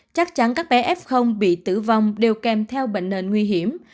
chắc chắn các bé f bị tử vong đều kèm theo bệnh nền nguy hiểm